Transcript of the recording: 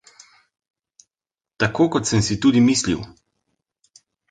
Tako kot sem si tudi mislil!